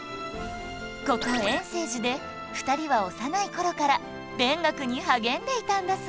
ここ円政寺で２人は幼い頃から勉学に励んでいたんだそう